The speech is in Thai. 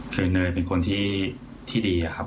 คือเนยเป็นคนที่ดีอะครับ